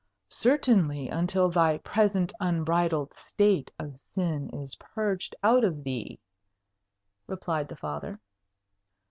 "Certainly until thy present unbridled state of sin is purged out of thee," replied the Father.